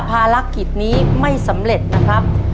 ภารกิจนี้ไม่สำเร็จนะครับ